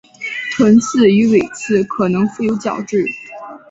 臀刺与尾刺可能覆有角质。